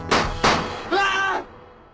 うわ！